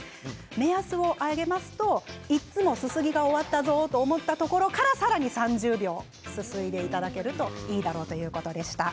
目安を挙げますといつもすすぎが終わったぞと思ったところからさらに３０秒すすいでいただけるといいだろうということでした。